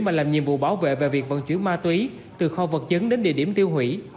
mà làm nhiệm vụ bảo vệ về việc vận chuyển ma túy từ kho vật chứng đến địa điểm tiêu hủy